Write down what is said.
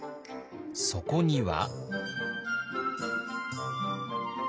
そこには。